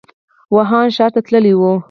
ووهان ښار ته تللی و.